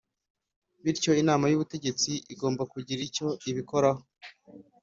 Bityo inama y ubutegetsi igomba kugira icyo ibikoraho